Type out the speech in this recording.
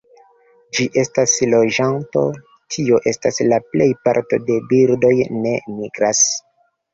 Ĝi estas loĝanto, tio estas plej parto de birdoj ne migras.